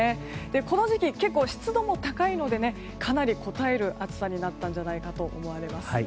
この時期結構、湿度も高いのでかなりこたえる暑さになったんではないかと思われます。